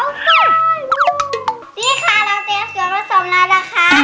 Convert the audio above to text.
อันนี้ค่ะเราเตรียมส่วนผสมละนะคะ